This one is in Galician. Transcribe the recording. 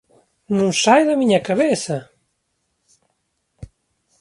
Non sae da miña cabeza!